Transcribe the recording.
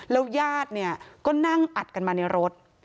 แล้วยาดเนี่ยจะนั่งอัดกันมาอย่างรถ